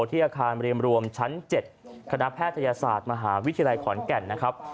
ที่อาคารเรียมรวมชั้น๗คณะแพทยศาสตร์มหาวิทยาลัยขอนแก่นนะครับ